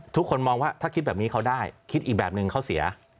ทุกคนมองว่าถ้าคิดแบบนี้เขาได้คิดอีกแบบนึงเขาเสีย